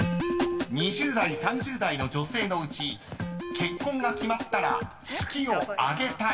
［２０代３０代の女性のうち結婚が決まったら］